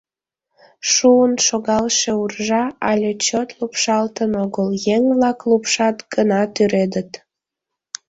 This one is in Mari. Шуын шогалше уржа але чот лупшалтын огыл, еҥ-влак лупшат гына тӱредыт.